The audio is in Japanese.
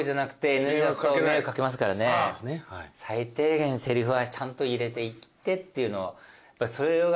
最低限せりふはちゃんと入れていってっていうのを。